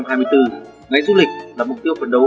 năm hai nghìn hai mươi bốn ngày du lịch là mục tiêu phấn đấu